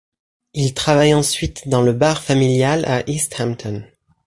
Il travaille ensuite dans le bar familial à East Hampton.